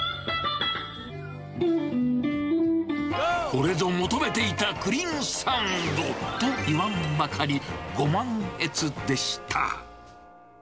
これぞ求めていたクリーンサウンドと言わんばかり、ご満悦でした。